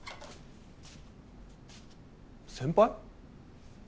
先輩？